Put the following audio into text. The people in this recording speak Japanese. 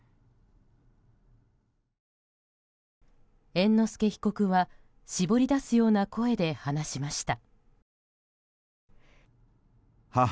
猿之助被告は絞り出すような声で話しました。